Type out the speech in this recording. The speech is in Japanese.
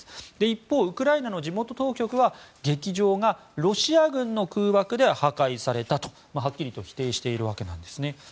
一方、ウクライナの地元当局は劇場がロシア軍の空爆で破壊されたとはっきりと否定しているわけなんですね。